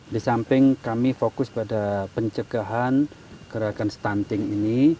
di samping kami fokus pada pencegahan gerakan stunting ini